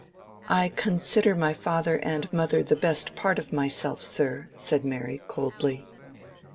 "I consider my father and mother the best part of myself, sir," said Mary, coldly.